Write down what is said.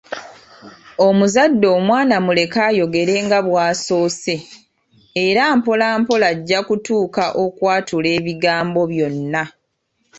Omuzadde omwana muleke ayogere nga bw’asoose, era mpola mpola ajja kutuuka okwatula ebigambo byonna.